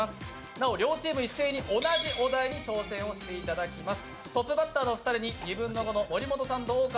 なお両チーム一斉に、同じ話題に挑戦していただきます。